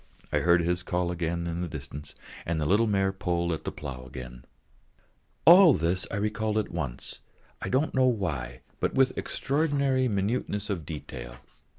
I heard his call in the distance again, and the little mare pulled at the plough again. All this I recalled all at once, I don't know why, but with extraordinary minuteness of detail.